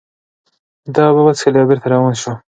ده اوبه وڅښلې او بېرته روان شو.